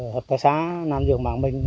hợp tác xã nam dược mạng minh